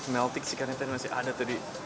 meltyk sih kan itu masih ada tadi